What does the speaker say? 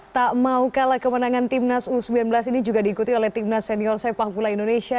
tak mau kalah kemenangan timnas u sembilan belas ini juga diikuti oleh timnas senior sepak bola indonesia